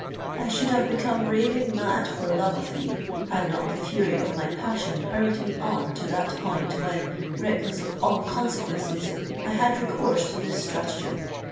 I should have become raving mad for love of thee, had not the fury of my passion hurried me on to that point, when, reckless of all consequences, I had recourse to this stratagem.